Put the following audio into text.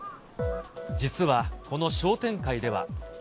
実はこの商店会では。